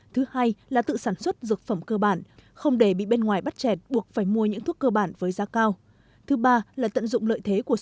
thứ hai là tự sản xuất dược phẩm cơ bản không để bị bên ngoài bắt chẹt buộc phải mua những thuốc cơ bản với giá cao